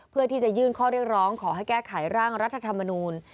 เพื่อที่จะยื่นข้อเรียกร้องขอให้แก้ไขร่างรัฐธรรมนูล